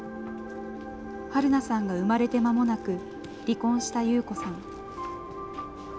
はるなさんが生まれてまもなく、離婚したゆうこさん。